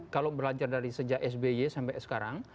kalau belajar dari sejak sby sampai sekarang